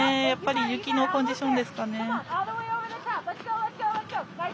やっぱり雪のコンディションですかね。